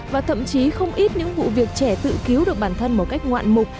và thậm chí không ít những vụ việc trẻ tự cứu được bản thân một cách ngoạn mục